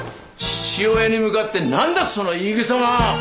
父親に向かって何だその言いぐさは！